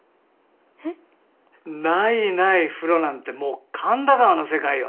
えっ？ないない風呂なんてもう「神田川」の世界よ。